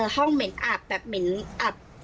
ห้องเหม็นอับแบบเหม็นอับ